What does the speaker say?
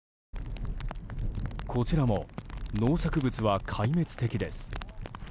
こちらも農作物は壊滅的です。